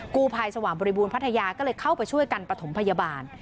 กู้ภัยสว่างบริบูรณพัทยาก็เลยเข้าไปช่วยกันประถมพยาบาล